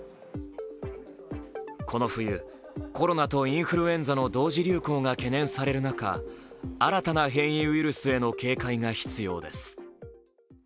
この冬、コロナとインフルエンザの同時流行が懸念される中、新たな変異ウイルスへの警戒が必要です。